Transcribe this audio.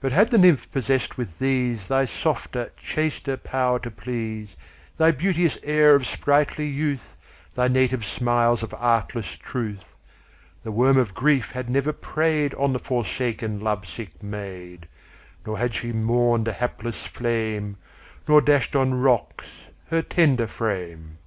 2 But had the nymph possess'd with these Thy softer, chaster power to please, Thy beauteous air of sprightly youth, Thy native smiles of artless truth 3 The worm of grief had never prey'd On the forsaken love sick maid; Nor had she mourn'd a hapless flame, Nor dash'd on rocks her tender frame.